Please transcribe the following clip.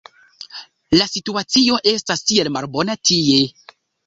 la situacio estas tiel malbona tie